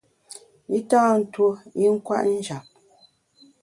I tâ ntuo i nkwet njap.